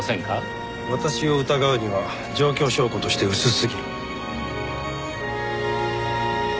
私を疑うには状況証拠として薄すぎる。